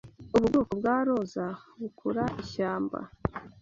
Ubu bwoko bwa roza bukura ishyamba.